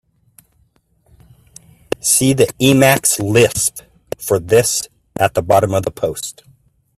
See the Emacs lisp for this at the bottom of the post.